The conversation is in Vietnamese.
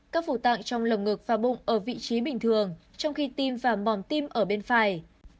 các phủ tạng trong lồng ngực và bụng ở vị trí bình thường trong khi tim và mòn tim ở bên phải